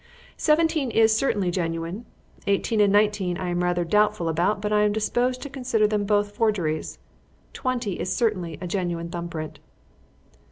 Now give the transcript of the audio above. Seventeen is certainly genuine. Eighteen and nineteen I am rather doubtful about, but I am disposed to consider them both forgeries. Twenty is certainly a genuine thumb print."